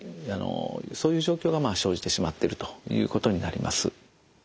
そういう状況が生じてしまっているということになります。